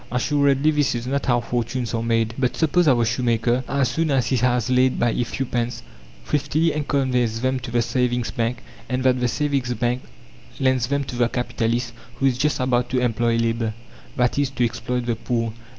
Assuredly this is not how fortunes are made. But suppose our shoemaker, as soon as he has laid by a few pence, thriftily conveys them to the savings bank and that the savings bank lends them to the capitalist who is just about to "employ labour," i.e., to exploit the poor.